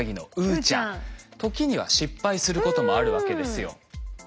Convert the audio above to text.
時には失敗することもあるわけですよ。